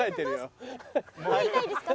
胸痛いですか？